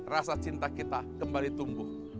rasa cinta kita kembali tumbuh